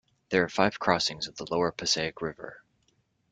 There are five crossings of the Lower Passaic River.